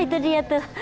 itu dia tuh